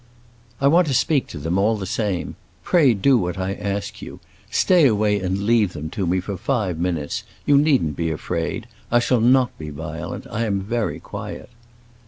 "I want to speak to them, all the same. Pray do what I ask you. Stay away and leave them to me for five minutes; you needn't be afraid; I shall not be violent; I am very quiet."